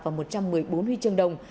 và một trăm một mươi bốn huy chương đồng